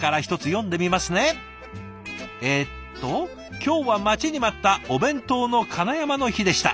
「今日は待ちに待ったお弁当のかなやまの日でした。